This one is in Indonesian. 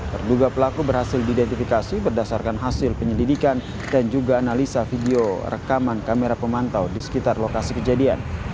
terduga pelaku berhasil diidentifikasi berdasarkan hasil penyelidikan dan juga analisa video rekaman kamera pemantau di sekitar lokasi kejadian